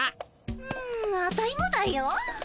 んアタイもだよ。